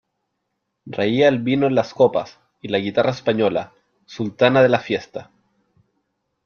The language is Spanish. reía el vino en las copas , y la guitarra española , sultana de la fiesta ,